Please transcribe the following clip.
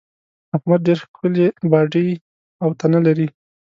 احمد ډېره ښکلې باډۍ او تنه لري.